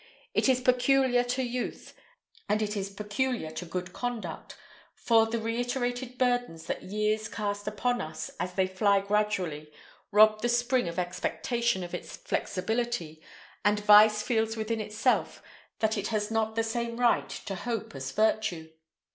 It is peculiar to youth, and it is peculiar to good conduct; for the reiterated burdens that years cast upon us as they fly gradually rob the spring of expectation of its flexibility, and vice feels within itself that it has not the same right to hope as virtue.